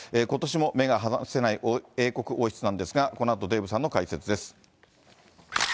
ことしも目が離せない英国王室なんですが、このあと、デーブさんの解説です。